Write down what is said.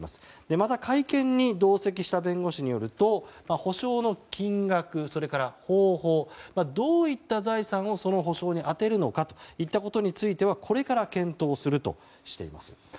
また会見に同席した弁護士によると補償の金額、方法どういった財産をその補償に充てるのかについてはこれから検討するとしています。